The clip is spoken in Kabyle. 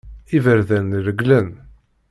Iberdan regglen.